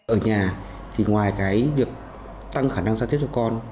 ở nhà thì ngoài cái việc tăng khả năng giao tiếp cho con